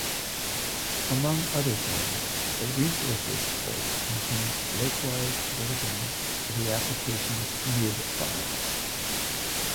Among other things, the Resources folder contains localized versions of the application's nib files.